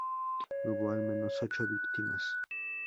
Hubo al menos ocho víctimas.